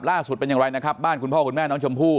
เป็นอย่างไรนะครับบ้านคุณพ่อคุณแม่น้องชมพู่